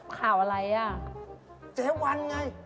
ข่าวอะไรอ่ะเจ๊วันไง